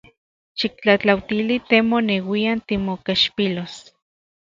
Xiktlajtlautili te moneuian timokechpilos.